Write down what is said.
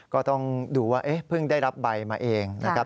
ก็ต้องดูว่าเพิ่งได้รับใบมาเองนะครับ